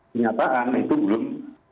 kenyataan itu belum